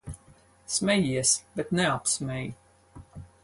Smejies, bet neapsmej.